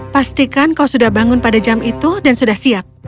pastikan kau sudah bangun pada jam itu dan sudah siap